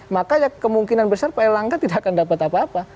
maka ya kemungkinan besar pak erlangga tidak akan dapat apa apa